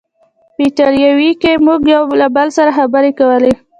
په ایټالوي کې مو یو له بل سره خبرې کولې.